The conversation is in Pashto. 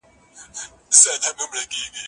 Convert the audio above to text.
زه اوبه نه پاکوم!؟